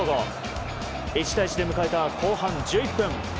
１対１で迎えた後半１１分。